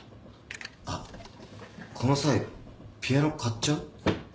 あっこの際ピアノ買っちゃう？